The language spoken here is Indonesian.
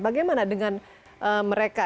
bagaimana dengan mereka